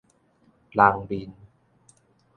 人面